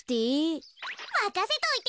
まかせといて。